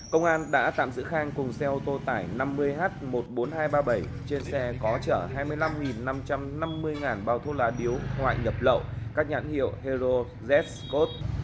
công an đã tạm giữ khang cùng xe ô tô tải năm mươi h một mươi bốn nghìn hai trăm ba mươi bảy trên xe có chở hai mươi năm năm trăm năm mươi bao thuốc lá điếu ngoại nhập lậu các nhãn hiệu hero jet scot